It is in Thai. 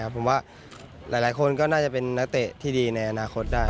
ผมว่าหลายคนก็น่าจะเป็นนักเตะที่ดีในอนาคตได้